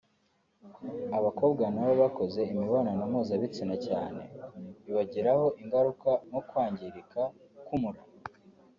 Abakobwa nabo bakoze imibonano mpuzabitsina cyane bibagiraho ingaruka nko kwangirika k’umura